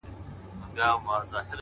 • نور له زړه څخه ستا مینه سم ایستلای -